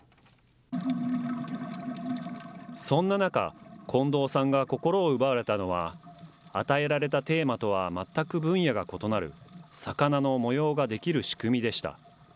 そんな中、近藤さんが心を奪われたのは、与えられたテーマとは全く分野が異なる、魚の模様が出来る仕組みでした。